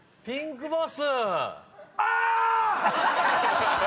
ピンクボス。